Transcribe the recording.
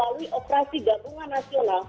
mungkin kita lihat kasus bulan lalu di banjarmasin